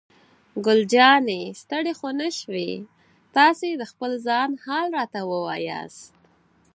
ګل جانې: ستړی خو نه شوې؟ تاسې د خپل ځان حال راته ووایاست.